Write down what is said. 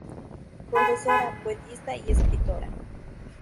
Profesora, poetisa y escritora.